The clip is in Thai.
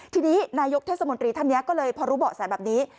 ทีนี้นายกเทศมนตรีท่านนี้ก็เลยพอรู้เบาะแสแบบนี้